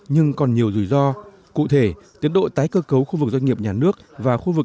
nhưng còn nhiều rủi ro cụ thể tiến độ tái cơ cấu khu vực doanh nghiệp nhà nước và khu vực